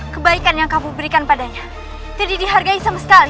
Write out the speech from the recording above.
kebaikan yang kamu berikan padanya tidak dihargai sama sekali